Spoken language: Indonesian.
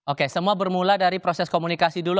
oke semua bermula dari proses komunikasi dulu